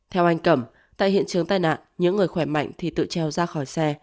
theo anh cẩm tại hiện trường tai nạn những người khỏe mạnh thì tự treo ra khỏi xe